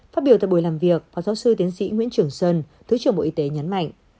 phát biểu tại buổi làm việc phó giáo sư tiến sĩ nguyễn trường sơn thứ trưởng bộ y tế nhấn mạnh